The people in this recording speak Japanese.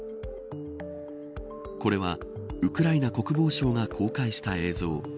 これはウクライナ国防省が公開した映像。